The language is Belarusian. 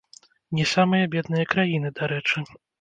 Не самыя бедныя краіны, дарэчы.